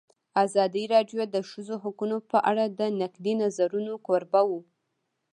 ازادي راډیو د د ښځو حقونه په اړه د نقدي نظرونو کوربه وه.